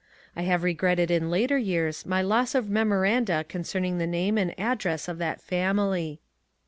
I have regretted in later years my loss of memoranda concerning the name and address of that family.